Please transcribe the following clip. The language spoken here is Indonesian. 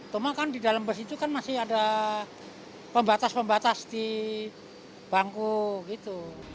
cuma kan di dalam bus itu kan masih ada pembatas pembatas di bangku gitu